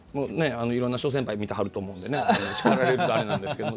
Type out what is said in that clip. いろんな諸先輩見てはると思うんでしかられるとあれなんですけど。